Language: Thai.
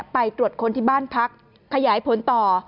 ไปตรวจค้นที่บ้านพักขยายผลต่อ